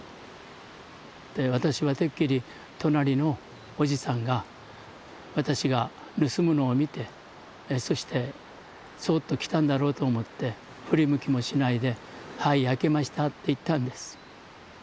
私はてっきり隣のおじさんが私が盗むのを見てそしてそっと来たんだろうと思って振り向きもしないで「はい焼けました」って言ったんです。